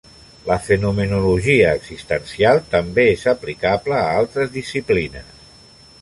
La fenomenologia existencial també és aplicable a altres disciplines.